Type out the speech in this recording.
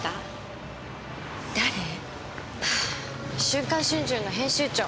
『週刊春秋』の編集長。